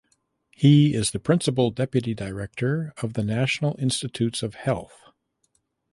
He is the principal deputy director of the National Institutes of Health.